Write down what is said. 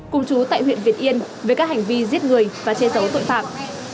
cùng chú tại huyện việt yên với các hành vi giết người và chê giấu tội phạm